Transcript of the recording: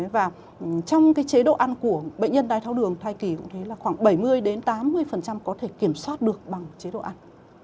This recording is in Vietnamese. và trong cái chế độ ăn của bệnh nhân đai tháo đường thai kỳ cũng thế là khoảng bảy mươi tám mươi có thể kiểm soát được bằng chế độ ăn